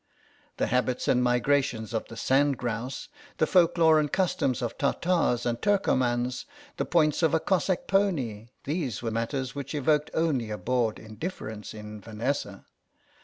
The habits and migrations of the sand grouse, the folklore and customs of Tartars and Turkomans, the points of a Cossack pony — these were matters which evoked only a bored indifference in Vanessa.